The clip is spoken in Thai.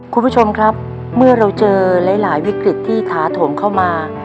คุณผู้ชมครับเมื่อเราเจอหลายวิกฤตที่ท้าโถมเข้ามา